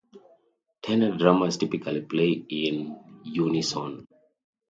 Tenor drummers typically play in unison.